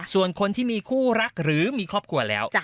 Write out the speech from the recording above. ส่วนคนที่มีคู่รักหรือมีครอบครัวแล้ว